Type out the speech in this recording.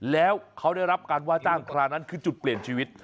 แล้วเขาได้รับการว่าจ้างคราวนั้นคือจุดเปลี่ยนชีวิต